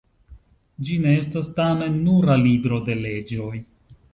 Ĝi ne estas, tamen, nura libro de leĝoj.